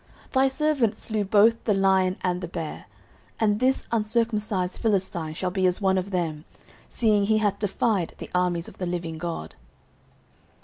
09:017:036 Thy servant slew both the lion and the bear: and this uncircumcised Philistine shall be as one of them, seeing he hath defied the armies of the living God.